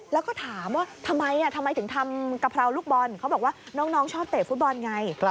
แล้วก็ถามว่าทำไมทำไมถึงทำกะเพราลูกบอลเขาบอกว่าน้องชอบเตะฟุตบอลไง